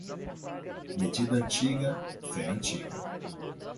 Medida antiga, fé antiga.